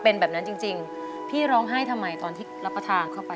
เป็นแบบนั้นจริงจริงพี่ร้องไห้ทำไมตอนที่รับประทานเข้าไป